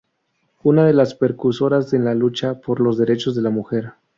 Una de las precursoras en la lucha por los derechos de la mujer.